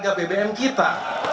kembali harga bbm kita